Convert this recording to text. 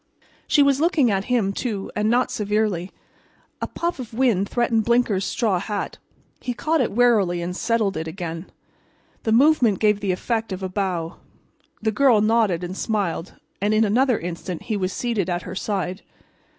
She was looking at him, too, and not severely. A puff of wind threatened Blinker's straw hat. He caught it warily and settled it again. The movement gave the effect of a bow. The girl nodded and smiled, and in another instant he was seated at her side.